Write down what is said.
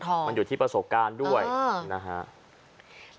มันอยู่ที่ประสบการณ์ด้วยนะฮะ